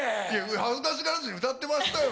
恥ずかしがらずに歌ってましたよ